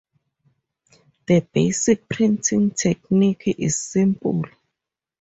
The basic printing technique is simple.